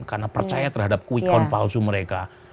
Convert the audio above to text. karena percaya terhadap kuih kaun palsu mereka